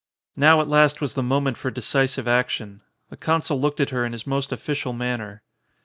Now at last was the moment for decisive action. The consul looked at her in his most official man ner.